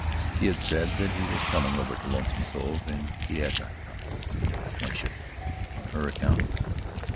He had said that he was coming over to Lonesome Cove and he had not come why should he, on her account?